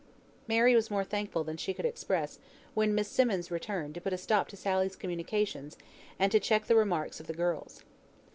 Mary was more thankful than she could express, when Miss Simmonds returned, to put a stop to Sally's communications, and to check the remarks of the girls.